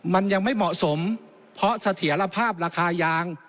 มันยังไม่เหมาะสมเพราะเสถียรภาพราคายาง